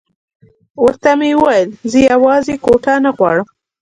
ورته مې وویل زه یوازې کوټه نه غواړم.